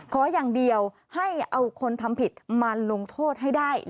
ขออย่างเดียวให้เอาคนทำผิดมาลงโทษให้ได้